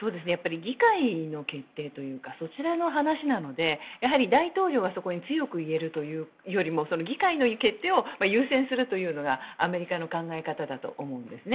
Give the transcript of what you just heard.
議会の決定というかそちらの話なので大統領はそこに強く言えるというよりも議会の決定を優先するというのがアメリカの考え方だと思うんですね。